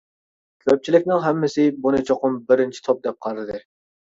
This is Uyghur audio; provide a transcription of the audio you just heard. كۆپچىلىكنىڭ ھەممىسى بۇنى چوقۇم بىرىنچى توپ دەپ قارىدى.